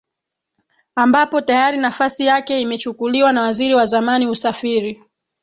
ambapo tayari nafasi yake imechukuliwa na waziri wa zamani usafiri